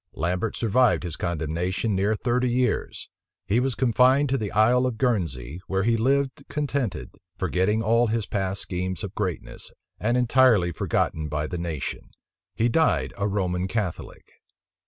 Lambert survived his condemnation near thirty years. He was confined to the Isle of Guernsey, where he lived contented, forgetting all his past schemes of greatness, and entirely forgotten by the nation. He died a Roman Catholic.